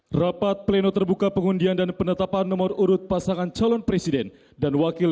hai rapat pleno terbuka pengundian dan penetapan nomor urut pasangan calon presiden dan wakil